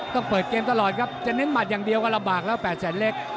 ต้องเปิดเกมตลอดครับจะเน้นหมัดอย่างเดียวก็ลำบากแล้ว๘แสนเล็ก